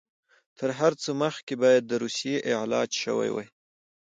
تر هر څه مخکې باید د روسیې علاج شوی وای.